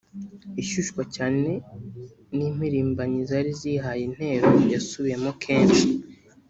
ishyushywa cyane n’impirimbanyi zari zihaye intero yasubiwemo kenshi